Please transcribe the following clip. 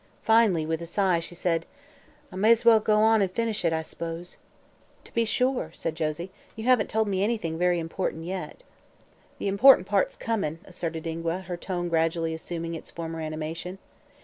Finally, with a sigh, she said: "I may as well go on an' finish it, I s'pose." "To be sure," said Josie. "You haven't told me anything very important yet." "The important part's comin'," asserted Ingua, her tone gradually assuming its former animation.